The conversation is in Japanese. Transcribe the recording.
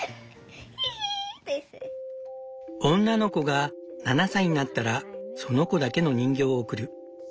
女の子が７歳になったらその子だけの人形を贈る。